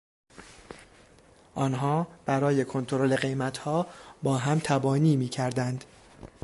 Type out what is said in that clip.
آنها برای کنترل قیمتها با هم تبانی میکردند.